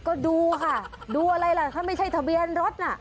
ก็ดูค่ะดูอะไรล่ะถ้าไม่ใช่ทะเบียนรถน่ะ